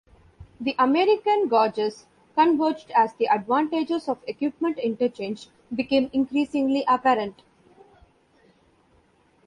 The American gauges converged as the advantages of equipment interchange became increasingly apparent.